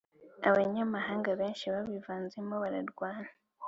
abanyamahanga benshi babivanzemo bararwana